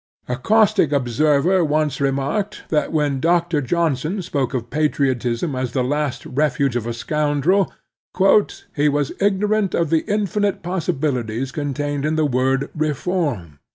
A caustic observer once remarked that when Dr. Johnson spoke of patriotism as the last refuge of a scotmdrel, "he was ignorant of the infinite possibilities contained in the word 'reform.'"